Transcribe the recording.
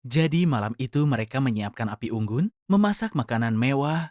jadi malam itu mereka menyiapkan api unggun memasak makanan mewah